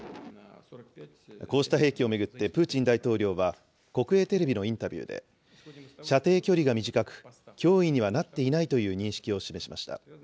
こうした兵器を巡って、プーチン大統領は、国営テレビのインタビューで、射程距離が短く、脅威にはなっていないという認識を示しました。